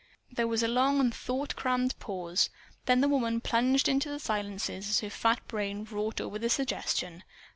There was a long and thought crammed pause. The woman plunged deep into the silences as her fat brain wrought over the suggestion.